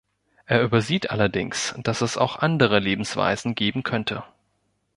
Er übersieht allerdings, dass es auch andere Lebensweisen geben könnte.